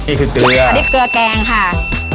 นี่คือเกลืออันนี้เกลือแกงค่ะ